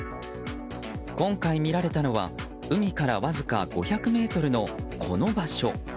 今回見られたのは海からわずか５００ｍのこの場所。